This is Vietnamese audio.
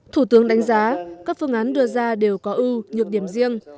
thủ tướng đánh giá các phương án đưa ra đều có ưu nhược điểm riêng